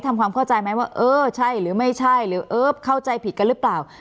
ทำความเข้าใจไหมว่าเออใช่หรือไม่ใช่หรือเอิร์ฟเข้าใจผิดกันหรือเปล่า